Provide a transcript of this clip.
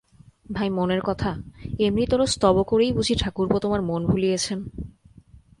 ভাই মনের কথা, এমনিতরো স্তব করেই বুঝি ঠাকুরপো তোমার মন ভুলিয়েছেন?